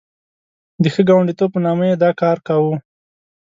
د ښه ګاونډیتوب په نامه یې دا کار کاوه.